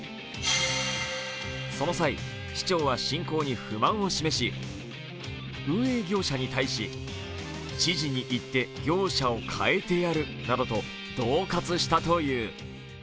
その際市長は進行に不満を示し、運営業者に対し、知事に言って業者を替えてやるなどとどう喝したという。